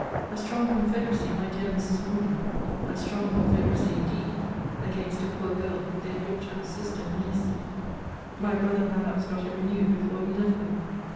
A strong confederacy, my dear Mrs. Norton, (a strong confederacy indeed!) against a poor girl, their daughter, sister, niece! My brother, perhaps, got it renewed before he left them.